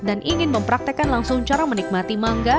dan ingin mempraktekan langsung cara menikmati mangga